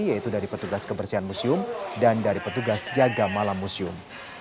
yaitu dari petugas kebersihan museum dan dari petugas jaga malam museum